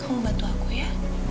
kamu bantu aku ya